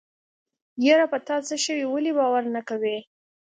يره په تاڅه شوي ولې باور نه کوې.